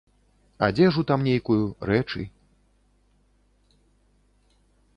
Адзежу там нейкую, рэчы.